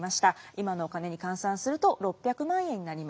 今のお金に換算すると６００万円になります。